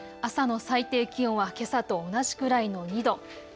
朝の最低気温はけさと同じくらいの２度。